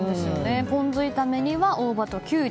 ポン酢炒めには大葉とキュウリ